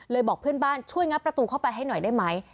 บอกเพื่อนบ้านช่วยงัดประตูเข้าไปให้หน่อยได้ไหม